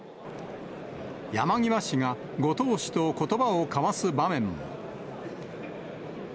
山際氏が後藤氏とことばを交わす場面も。